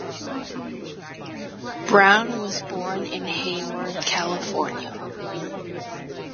Brown was born in Hayward, California.